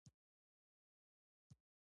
ماشوم مو سر نیولی شي؟